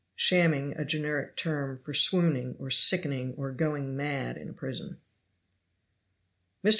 * A generic term for swooning, or sickening, or going mad, in a prison. Mr.